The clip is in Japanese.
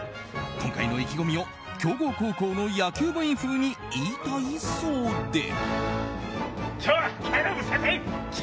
今回の意気込みを強豪高校の野球部員風に言いたいそうで。